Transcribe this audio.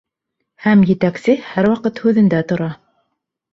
Һәм етәксе һәр ваҡыт һүҙендә тора.